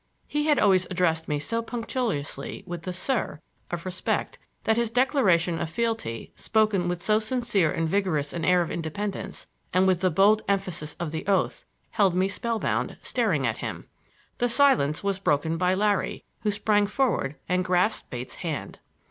He had always addressed me so punctiliously with the "sir" of respect that his declaration of fealty, spoken with so sincere and vigorous an air of independence, and with the bold emphasis of the oath, held me spellbound, staring at him. The silence was broken by Larry, who sprang forward and grasped Bates' hand.